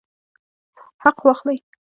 حق واخلئ